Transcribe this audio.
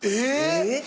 えっ！？